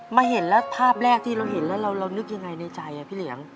มาเห็นแล้วภาพแรกที่เราเห็นแล้วเรานึกยังไงในใจพี่เหลียง